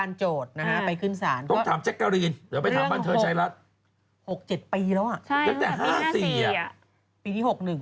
อันนั้นเราก็ตามไป